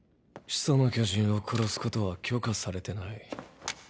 「始祖の巨人」を殺すことは許可されてない。